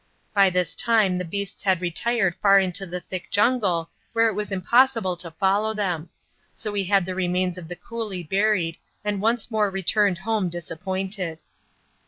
By this time the beasts had retired far into the thick jungle where it was impossible to follow them, so we had the remains of the coolie buried and once more returned home disappointed.